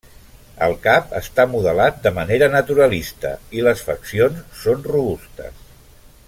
El cap està modelat de manera naturalista, i les faccions són robustes.